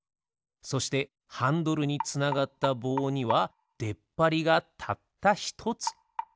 そしてハンドルにつながったぼうにはでっぱりがたったひとつ。